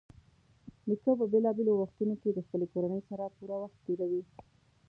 نیکه په بېلابېلو وختونو کې د خپلې کورنۍ سره پوره وخت تېروي.